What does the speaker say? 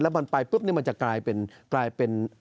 มันไปปุ๊บนี่มันจะกลายเป็น